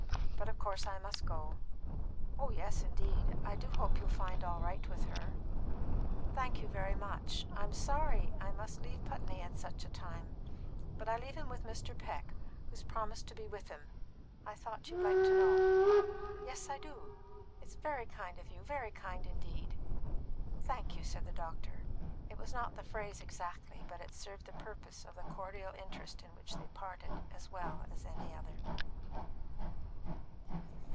But of course I must go." "Oh yes, indeed. I do hope you'll find all right with her." "Thank you very much. I'm sorry that I must leave Putney at such a time. But I leave him with Mr. Peck, who's promised to be with him. I thought you'd like to know." "Yes, I do; it's very kind of you very kind indeed." "Thank you," said the doctor. It was not the phrase exactly, but it served the purpose of the cordial interest in which they parted as well as another.